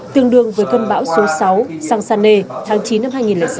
tương đương với cơn bão số sáu sangsane tháng chín năm hai nghìn sáu